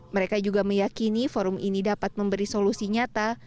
mereka juga meyakini forum ini dapat memberi solusi nyata